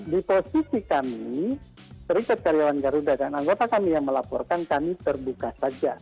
di posisi kami serikat karyawan garuda dan anggota kami yang melaporkan kami terbuka saja